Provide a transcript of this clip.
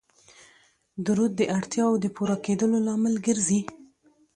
درود د اړتیاو د پوره کیدلو لامل ګرځي